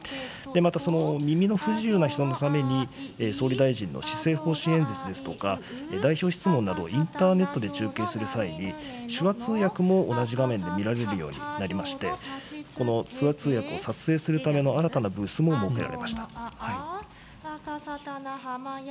また耳の不自由な人のために、総理大臣の施政方針演説ですとか、代表質問などをインターネットで中継する際に、手話通訳も同じ画面で見られるようになりまして、この手話通訳を撮影するための新たなブースも設けられました。